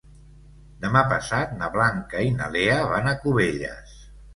Demà passat na Blanca i na Lea van a Cubelles.